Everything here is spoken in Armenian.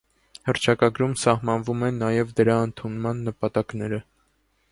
Հռչակագրում սահմանվում են նաև դրա ընդունման նպատակները։